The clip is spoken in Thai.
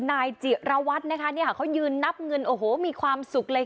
นายจิระวัตรนะคะเขายืนนับเงินโอ้โหมีความสุขเลย